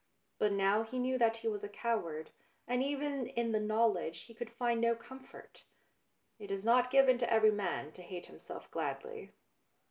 But now he knew that he was a coward, and even in the knowledge he could find no comfort. It is not given to every man to hate himself gladly.